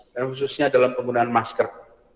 dan khususnya dalam penggunaan masker